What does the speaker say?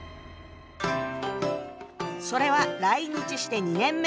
それは来日して２年目。